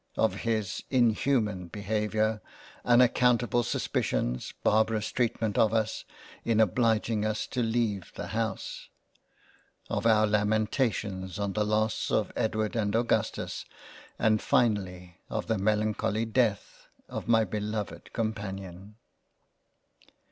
. of his inhuman Behaviour, unaccountable suspicions, and barbarous treatment of us, in obliging us to 3 6 £ LOVE AND FREINDSHIP £ leave the House .... of our lamentations on the loss of Edward and Augustus and finally of the melancholy Death of my beloved Companion.